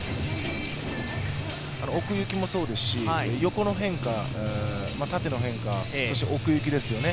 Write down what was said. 奥行きもそうですし、横の変化、あと縦の変化、奥行きですよね。